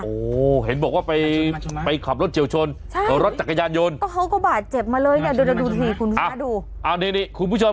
โอ้เฮ้บอกว่ามาชนไหม